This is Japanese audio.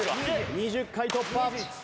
２０回突破。